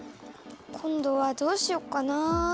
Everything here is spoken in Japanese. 今度はどうしよっかな？